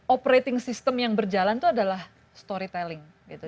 operating system yang berjalan itu adalah story telling gitu